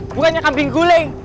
bukannya kambing guleng